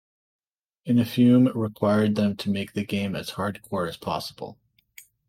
Inafune required them to make the game "as hardcore as possible".